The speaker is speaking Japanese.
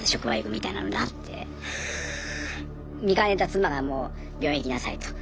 見かねた妻がもう病院行きなさいと。